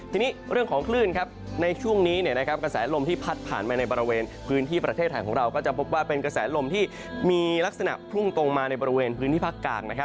ทีนี้เรื่องของคลื่นในช่วงนี้กระแสลมที่พัดผ่านมาในบริเวณพื้นที่ประเทศไทยของเราก็จะพบว่าเป็นกระแสลมที่มีลักษณะพุ่งตรงมาในบริเวณพื้นที่ภาคกลาง